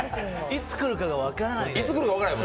いつくるかが分からないんで。